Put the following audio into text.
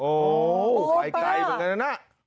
โอ้โหไปไกลเหมือนกันนะน่ะ